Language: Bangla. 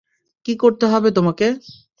কী করতে হবে তোমাকে?